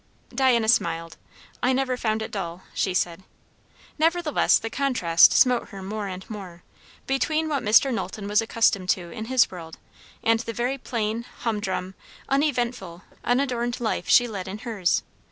Diana smiled. "I never found it dull," she said. Nevertheless, the contrast smote her more and more, between what Mr. Knowlton was accustomed to in his world, and the very plain, humdrum, uneventful, unadorned life she led in hers.